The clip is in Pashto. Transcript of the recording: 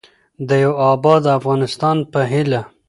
د یوه اباد افغانستان په هیله.